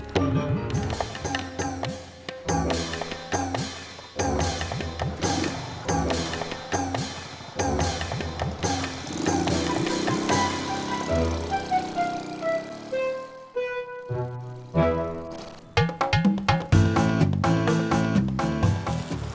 kita kayaknya salah alamat